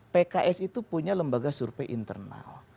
pks itu punya lembaga survei internal